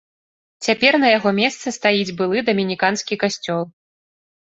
Цяпер на яго месцы стаіць былы дамініканскі касцёл.